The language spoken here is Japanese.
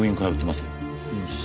よし。